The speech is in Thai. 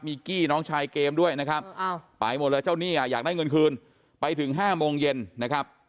มีกี้น้องชายเกมด้วยนะครับไปหมดแล้วเจ้าหนี้อ่ะอยากได้เงินคืนไปถึง๕โมงเย็นนะครับ